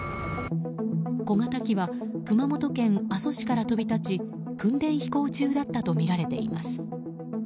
小型機は熊本県阿蘇市から飛び立ち訓練飛行中だったとみられています。